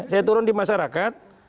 saya turun di masyarakat